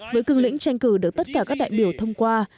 với cường lĩnh tranh cử được tất cả các đại biểu thông qua